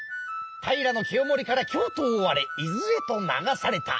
平清盛から京都を追われ伊豆へと流された。